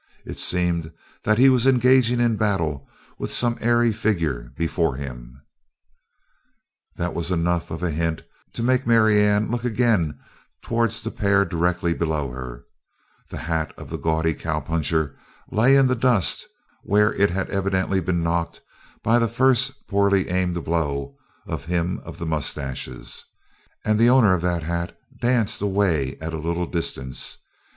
It seemed that he was engaging in battle with some airy figure before him. That was enough of a hint to make Marianne look again towards the pair directly below her; the hat of the gaudy cowpuncher lay in the dust where it had evidently been knocked by the first poorly aimed blow of him of the moustaches, and the owner of the hat danced away at a little distance.